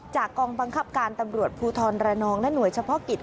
กองบังคับการตำรวจภูทรระนองและหน่วยเฉพาะกิจ